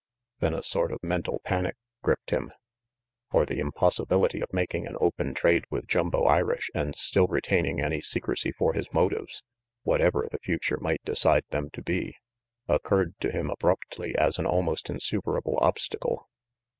Then a sort of mental panic gripped him. For the impossibility of making an open trade with Jumbo Irish and still retaining any secrecy for his motives whatever the future might decide them to be occurred to him abruptly as an almost insuperable obstacle.